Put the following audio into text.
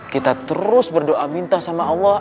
kita terus berdoa minta sama allah